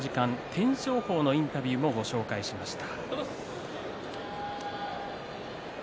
天照鵬のインタビューをご紹介しました。